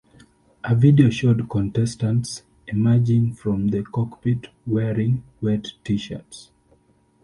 A video showed contestants emerging from the cockpit wearing wet T-shirts.